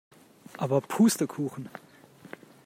Aber Pustekuchen!